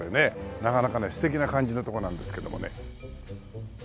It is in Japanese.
なかなかね素敵な感じのとこなんですけどもね。